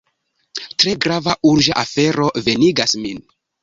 Tre grava, urĝa afero venigas min.